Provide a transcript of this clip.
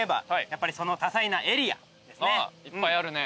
いっぱいあるね。